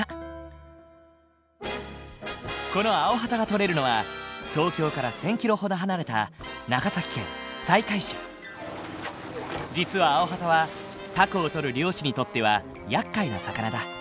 このアオハタが取れるのは東京から１，０００キロほど離れた実はアオハタはタコをとる漁師にとってはやっかいな魚だ。